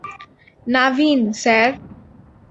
Naveen, sir!